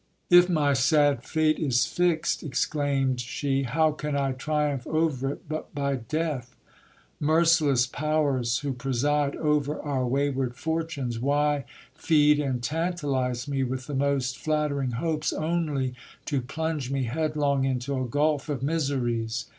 If my sad fate is fixed, exclaimed she, how can I triumph over it but by death ? Merciless powers, who preside over our wayward fortunes, why feed and tantalize me with the most flattering hopes, only to plunge me headlong into a gulf of miseries